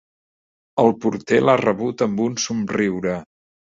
El porter l'ha rebut amb un somriure.